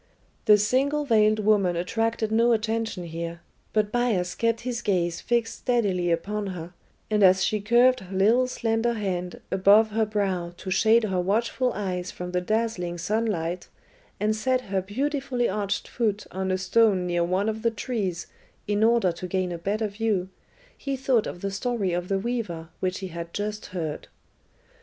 The single veiled woman attracted no attention here, but Bias kept his gaze fixed steadily upon her, and as she curved her little slender hand above her brow to shade her watchful eyes from the dazzling sunlight, and set her beautifully arched foot on a stone near one of the trees in order to gain a better view, he thought of the story of the weaver which he had just heard.